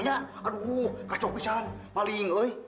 aduh kacau pisahan maling